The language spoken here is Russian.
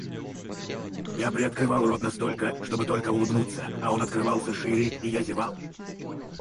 Я приоткрывал рот настолько, чтобы только улыбнуться, а он открывался шире и я зевал.